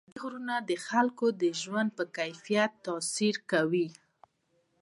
پابندي غرونه د خلکو د ژوند په کیفیت تاثیر کوي.